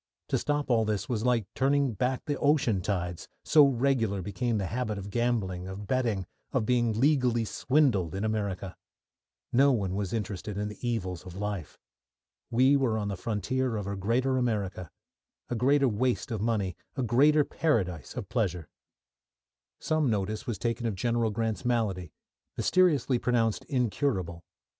To stop all this was like turning back the ocean tides, so regular became the habit of gambling, of betting, of being legally swindled in America. No one was interested in the evils of life. We were on the frontier of a greater America, a greater waste of money, a greater paradise of pleasure. Some notice was taken of General Grant's malady, mysteriously pronounced incurable.